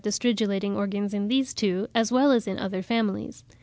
334) the stridulating organs in these two, as well as in other families.